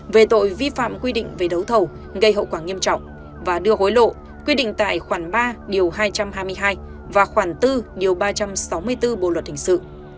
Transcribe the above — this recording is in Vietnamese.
về tội vi phạm quy định về đấu thầu gây hậu quả nghiêm trọng và đưa hối lộ quy định tại khoản ba điều hai trăm hai mươi hai và khoảng bốn điều ba trăm sáu mươi bốn bộ luật hình sự